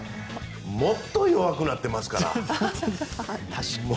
もっと弱くなっていますから。